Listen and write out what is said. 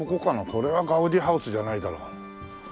これはガウディハウスじゃないだろう。